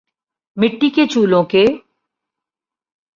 مٹی کے چولہوں کے